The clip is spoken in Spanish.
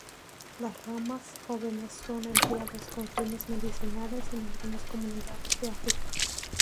Las ramas jóvenes son empleadas con fines medicinales en algunas comunidades de África.